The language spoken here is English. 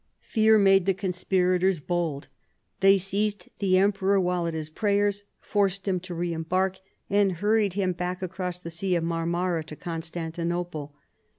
Fear made the conspirators bold ; they seized the emperor while at his prayers, forced him to re embark, and hurried him back across the Sea of Marmora to Constantinople.